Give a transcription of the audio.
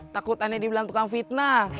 takut ani dibilang tukang fitnah